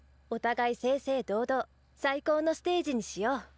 お互い正々堂々最高のステージにしよう。